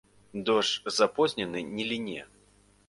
Дождж запознены не ліне.